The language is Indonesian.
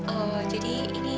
oh jadi ini ayah si jalil